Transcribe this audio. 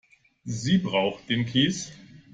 Sie braucht den Kies.